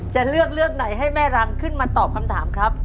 จะเลือกเรื่องไหนให้แม่รังขึ้นมาตอบคำถามครับ